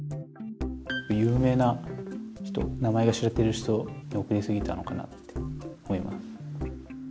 有名な人名前が知れてる人に送りすぎたのかなって思います。